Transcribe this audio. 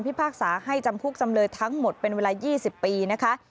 พากษาให้จำคุกจำเลยทั้งหมดเป็นเวลา๒๐ปีนะคะ